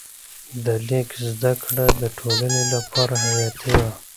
د لیک زده کړه د ټولنې لپاره حیاتي وه.